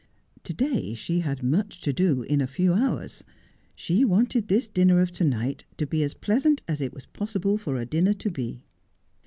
To day she had much to do in a few hours. She wanted this dinner of to night to be as pleasant as it was possible for a dinner to be.